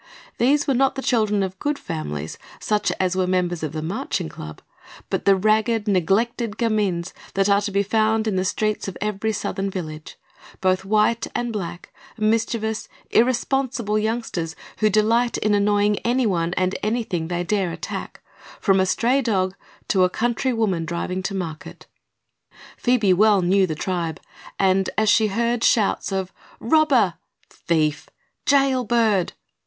These were not the children of good families, such as were members of the Marching Club, but the ragged, neglected gamins that are to be found on the streets of every Southern village; both white and black; mischievous, irresponsible youngsters who delight in annoying anyone and anything they dare attack, from a stray dog to a country woman driving to market. Phoebe well knew the tribe and, as she heard shouts of "Robber!" "Thief!" "Jailbird!"